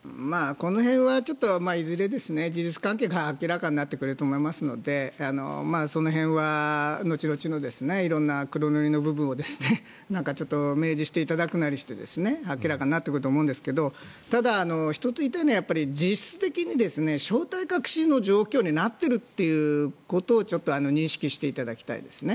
この辺はいずれ事実関係が明らかになってくると思いますのでその辺は後々の色々な黒塗りの部分を明示していただくなりして明らかになってくると思うんですがただ、１つ言いたいのは実質的に正体隠しの状況になっているということをちょっと認識していただきたいですね。